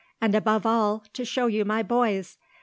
and, above all, to show you my boys!